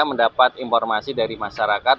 mendapat informasi dari masyarakat